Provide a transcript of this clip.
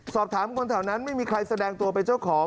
สอบถามคนแถวนั้นไม่มีใครแสดงตัวเป็นเจ้าของ